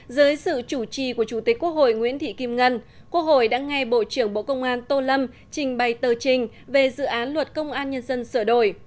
dưới sự chủ trì của chủ tịch quốc hội nguyễn thị kim ngân quốc hội đã ngay bộ trưởng bộ công an tô lâm trình bày tờ trình về dự án luật công an nhân dân sửa đổi